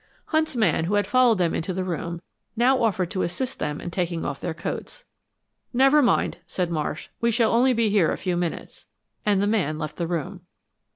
Hunt's man, who had followed them into the room, now offered to assist them in taking off their coats. "Never mind," said Marsh, "we shall be here only a few minutes," and the man left the room.